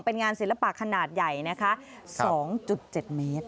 เป็นงานศิลปะขนาดใหญ่นะคะ๒๗เมตร